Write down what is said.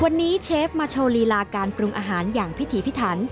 วันนี้เชฟมาโชว์ลีลาการปรุงอาหารอย่างพิถีพิถัน